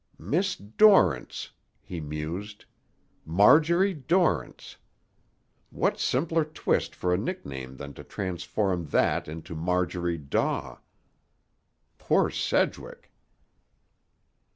"Miss Dorrance," he mused, "Marjorie Dorrance. What simpler twist for a nickname than to transform that into Marjorie Daw? Poor Sedgwick!"